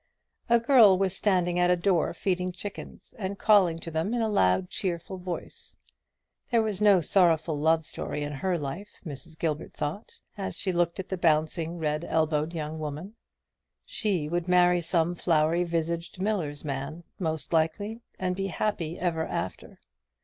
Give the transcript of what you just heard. A girl was standing at a door feeding chickens and calling to them in a loud cheerful voice. There was no sorrowful love story in her life, Mrs. Gilbert thought, as she looked at the bouncing red elbowed young woman. She would marry some floury visaged miller's man, most likely, and be happy ever after.